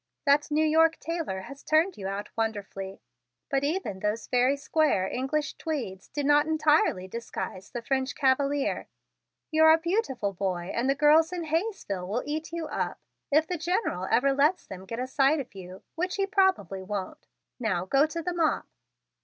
That New York tailor has turned you out wonderfully, but even those very square English tweeds do not entirely disguise the French cavalier. You're a beautiful boy and the girls in Hayesville will eat you up if the General ever lets them get a sight of you which he probably won't. Now go to the mop!"